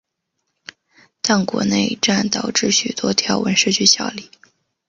但国共内战导致许多条文失去效力。